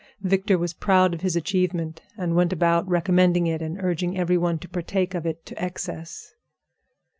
Victor was proud of his achievement, and went about recommending it and urging every one to partake of it to excess.